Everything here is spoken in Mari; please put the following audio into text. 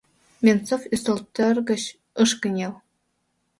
Венцов ӱстелтӧр гыч ыш кынел.